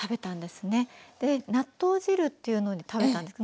納豆汁っていうので食べたんです。